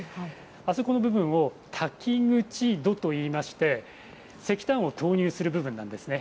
あそこの部分を、たき口戸といいまして、石炭を投入する部分なんですね。